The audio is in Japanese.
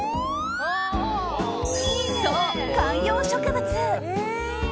そう、観葉植物。